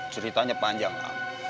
ceritanya panjang lam